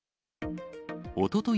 おととい、